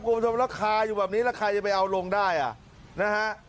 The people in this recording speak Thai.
กลุ่มทรวมราคาอยู่แบบนี้ราคาจะไปเอาลงได้อ่ะนะฮะ